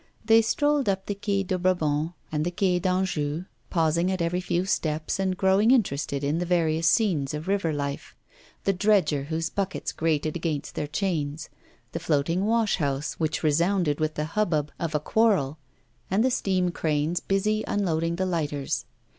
They strolled up the Quai de Bourbon and the Quai d'Anjou, pausing at every few steps and growing interested in the various scenes of river life; the dredger whose buckets grated against their chains, the floating wash house, which resounded with the hubbub of a quarrel, and the steam cranes busy unloading the lighters.